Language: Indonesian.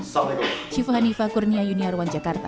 salam shifah nifaqurniayuni arwanjakarta